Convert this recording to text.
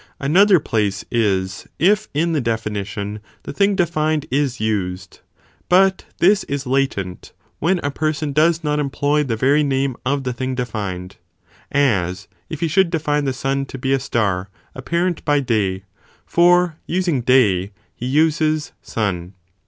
6. Nor the Another (place) is, if in the definition the thing thing itself, 0 defined is used, but this is latent when a person its own defini: does not employ the very name of the thing de non: fined, as if he should define the sun to be a star apparent by day, "for using day, he uses sun.